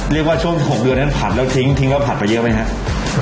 เรียกว่าช่วง๖เดือนนั้นผัดแล้วทิ้งทิ้งแล้วผัดไปเยอะไหมครับ